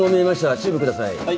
チューブ下さい。